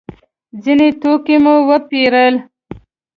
ځینې توکي مو وپېرل.